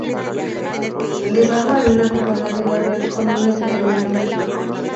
Debajo hay una corona de laurel con una estrella en medio.